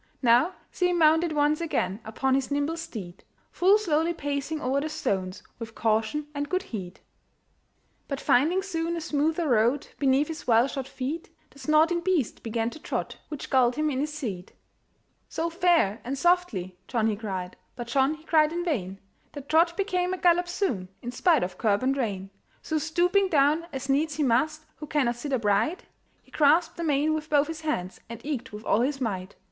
Now see him mounted once again Upon his nimble steed, Full slowly pacing o'er the stones, With caution and good heed. But finding soon a smoother road Beneath his well shod feet, The snorting beast began to trot, Which galled him in his seat. "So, fair and softly!" John he cried, But John he cried in vain; That trot became a gallop soon, In spite of curb and rein. So stooping down, as needs he must Who cannot sit upright, He grasped the mane with both his hands, And eke with all his might.